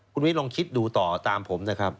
คุณวิทย์ลองคิดดูต่อตามผมนะครับ